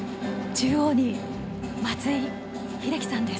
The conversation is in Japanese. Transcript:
中央に松井秀喜さんです。